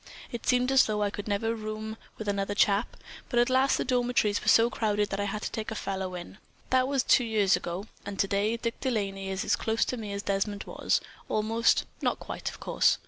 It seemed as though I never could room with another chap; but at last the dormitories were so crowded that I had to take a fellow in. That was two years ago, and today Dick De Laney is as close to me as Desmond was, almost, not quite, of course.